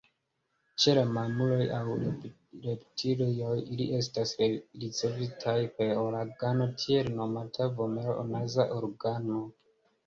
Ĉe la mamuloj aŭ reptilioj, ili estas ricevitaj per organo tiel nomata vomero-naza organo.